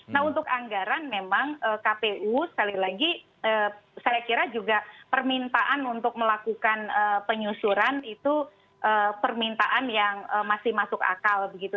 nah untuk anggaran memang kpu sekali lagi saya kira juga permintaan untuk melakukan penyusuran itu permintaan yang masih masuk akal begitu